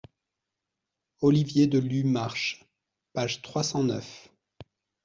Olivier de lu Marche, page trois cent neuf.